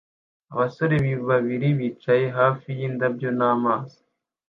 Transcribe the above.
Abasore babiri bicaye hafi yindabyo namazi